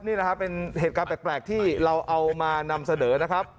นี่แหละครับเป็นเหตุการณ์แปลกที่เราเอามานำเสนอนะครับ